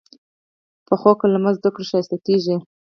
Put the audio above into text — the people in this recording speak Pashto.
پخو قلمه زده کړه ښایسته کېږي